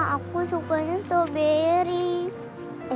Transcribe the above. aku sukanya strawberry